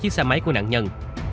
chiếc xe máy của nạn nhân